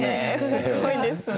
すごいですね。